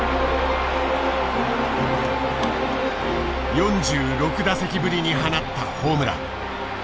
４６打席ぶりに放ったホームラン。